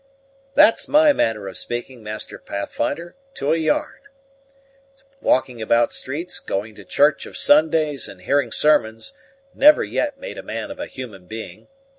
"That's my manner of reasoning, Master Pathfinder, to a yarn. Walking about streets, going to church of Sundays, and hearing sermons, never yet made a man of a human being.